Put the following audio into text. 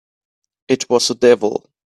It was the devil!